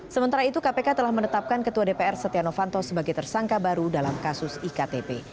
sementara itu kpk telah menetapkan ketua dpr setia novanto sebagai tersangka baru dalam kasus iktp